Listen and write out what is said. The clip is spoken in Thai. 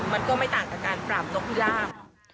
มันก็ไม่ต่างกับการปราบนกพิราบ